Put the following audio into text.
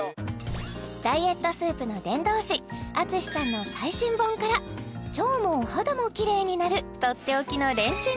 ダイエットスープの伝道師Ａｔｓｕｓｈｉさんの最新本から腸もお肌もキレイになるとっておきのレンチン！